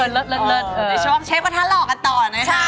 ในช่วงเชฟวันธาหลอกันต่อยังไงคะ